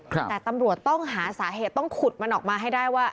แต่ตำรวจต้องหาสาเหตุต้องขุดมันออกมาให้ได้ว่า